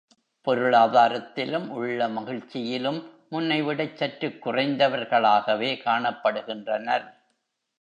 பொருளாதாரத்திலும், உள்ளமகிழ்ச்சியிலும் முன்னைவிடச் சற்றுக் குறைந்தவர் களாகவே காணப்படுகின்றனர்.